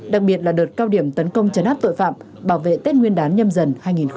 đặc biệt là đợt cao điểm tấn công chấn áp tội phạm bảo vệ tết nguyên đán nhâm dần hai nghìn hai mươi bốn